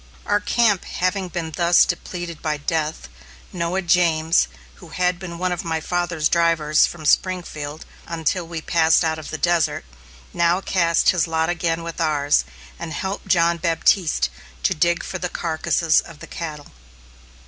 Our camp having been thus depleted by death, Noah James, who had been one of my father's drivers, from Springfield until we passed out of the desert, now cast his lot again with ours, and helped John Baptiste to dig for the carcasses of the cattle.